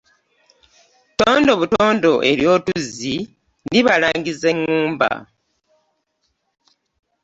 Tondobutondo ery'otuzzi libalangisa engumba .